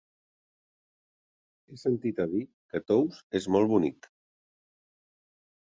He sentit a dir que Tous és molt bonic.